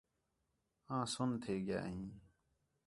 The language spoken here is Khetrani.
آں سُن تھی ڳِیا ہیں